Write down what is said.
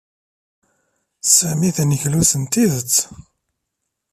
Sami d aneglus n tidet.